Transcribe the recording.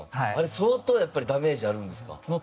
相当やっぱりダメージあるんですか？